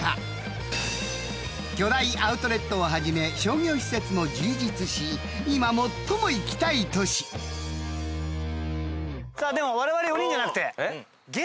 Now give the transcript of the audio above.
［巨大アウトレットをはじめ商業施設も充実し今最も行きたい都市］さあでもわれわれ４人じゃなくて。